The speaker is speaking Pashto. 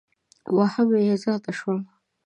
واهمه یې زیاته شوه.